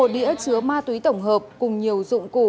một đĩa chứa ma túy tổng hợp cùng nhiều dụng cụ